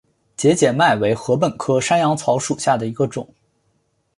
节节麦为禾本科山羊草属下的一个种。